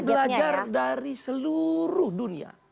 belajar dari seluruh dunia